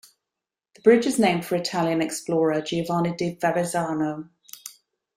The bridge is named for Italian explorer Giovanni da Verrazzano.